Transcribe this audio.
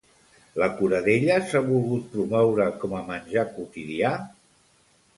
La coradella s'ha volgut promoure com a menjar quotidià?